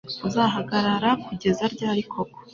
uzahagarara kugeza ryari koko